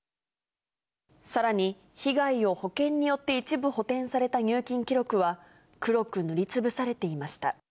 さらに、被害を保険によって一部補填された入金記録は、黒く塗りつぶされていました。